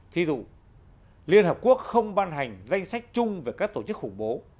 thí dụ liên hợp quốc không ban hành danh sách chung về các tổ chức khủng bố